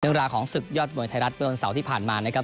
เรื่องราวของศึกยอดมวยไทยรัฐเมื่อวันเสาร์ที่ผ่านมานะครับ